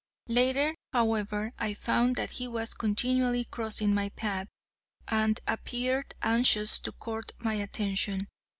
Later, however, I found that he was continually crossing my path, and appeared anxious to court my attention.